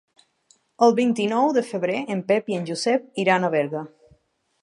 El vint-i-nou de febrer en Pep i en Josep iran a Berga.